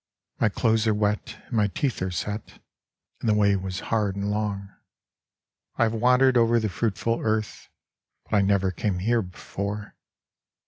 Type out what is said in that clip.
My clothes are wet, and my teeth are set, And the way was hard and long. I have wandered over the fruitful earth, But I never came here before.